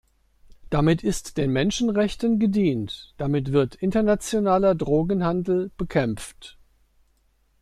Damit ist den Menschenrechten gedient, damit wird internationaler Drogenhandel bekämpft.